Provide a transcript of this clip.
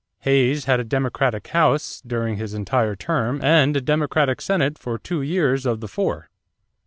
Hayes had a Democratic House during his entire term and a Democratic Senate for two years of the four.